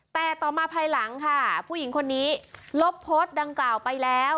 แต่ต่อมาภายหลังค่ะผู้หญิงคนนี้ลบโพสต์ดังกล่าวไปแล้ว